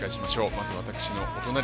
まず私のお隣